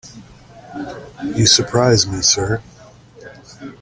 You surprise me, sir.